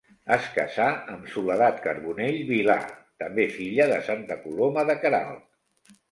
Es casà amb Soledat Carbonell Vilà, també filla de Santa Coloma de Queralt.